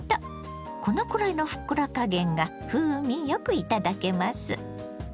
このくらいのふっくら加減が風味良くいただけます。